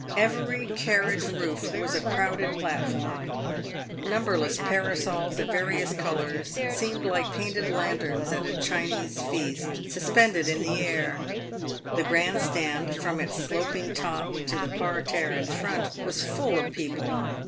Every carriage rooi was a crowded platform. Numberless parasols, of various colours, seemed like painted lanterns at a Chinese feast, suspended in the air. The grand stand, from its sloping top to the parterre in front, was full of people.